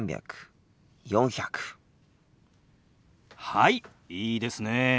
はいいいですねえ。